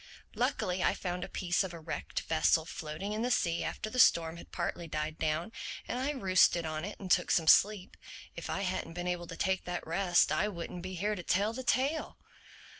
Luckily I found a piece of a wrecked vessel floating in the sea after the storm had partly died down; and I roosted on it and took some sleep. If I hadn't been able to take that rest I wouldn't be here to tell the tale."